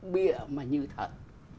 bịa mà như thật